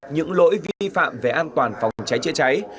những lỗi vi phạm về an toàn phòng cháy chữa cháy